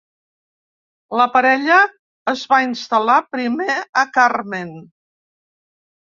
La parella es va instal·lar primer a Carmen.